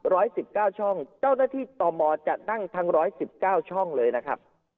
สิบเก้าช่องเจ้าหน้าที่ต่อมอจะนั่งทั้งร้อยสิบเก้าช่องเลยนะครับ